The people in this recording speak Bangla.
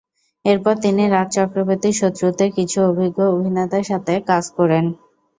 এরপর তিনি রাজ চক্রবর্তীর শত্রু তে কিছু অভিজ্ঞ অভিনেতার সাথে কাজ করেন।